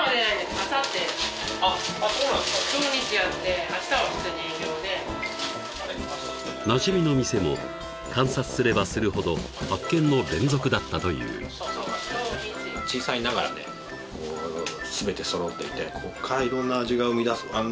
あさってあっそうなんですか土日やって明日は普通に営業でなじみの店も観察すればするほど発見の連続だったという小さいながらね全てそろっててここからいろんな味が生み出すあんな